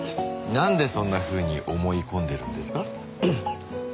なんでそんなふうに思い込んでるんですか？